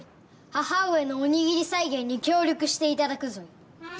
母上のおにぎり再現に協力して頂くぞよ。